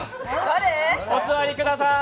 お座りください。